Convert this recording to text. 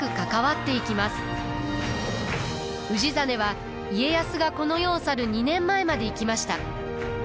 氏真は家康がこの世を去る２年前まで生きました。